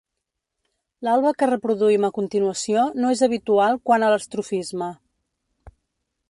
L'alba que reproduïm a continuació no és habitual quant a l'estrofisme.